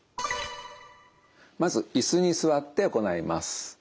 まず椅子に座って行います。